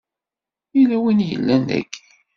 Yella win i yellan daki?